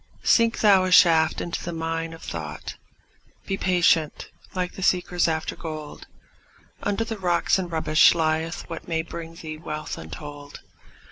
Sink thou a shaft into the mine of thought; Be patient, like the seekers after gold; Under the rocks and rubbish lieth what May bring thee wealth untold.